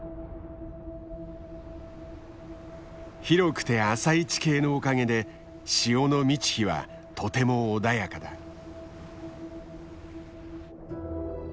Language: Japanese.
広くて浅い地形のおかげで潮の満ち干はとても穏やかだ。